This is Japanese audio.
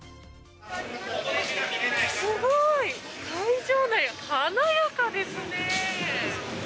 すごい！会場内華やかですね。